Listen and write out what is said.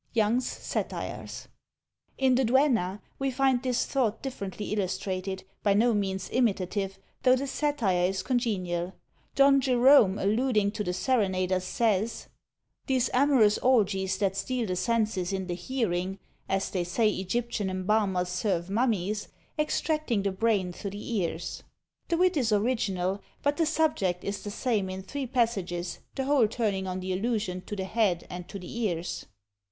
YOUNG'S Satires. In the Duenna we find this thought differently illustrated; by no means imitative, though the satire is congenial. Don Jerome alluding to the serenaders says, "These amorous orgies that steal the senses in the hearing; as they say Egyptian embalmers serve mummies, extracting the brain through the ears." The wit is original, but the subject is the same in the three passages; the whole turning on the allusion to the head and to the ears.